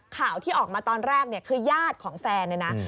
ข่าวที่ออกมาตอนแรกคือญาติของแฟน